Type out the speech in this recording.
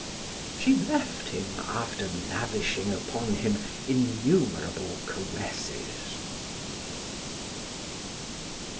She left him, after lavishing upon him innumerable caresses.